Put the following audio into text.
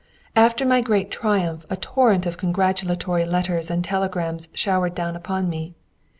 After my great triumph a torrent of congratulatory letters and telegrams showered down upon me.